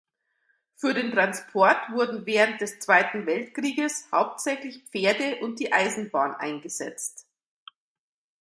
Für den Transport wurden während des Zweiten Weltkrieges hauptsächlich Pferde und die Eisenbahn eingesetzt.